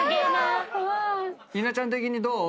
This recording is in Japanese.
稲ちゃん的にどう？